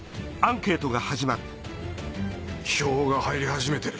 票が入り始めてる。